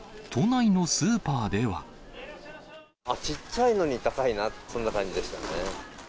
ちっちゃいのに高いな、そんな感じでしたね。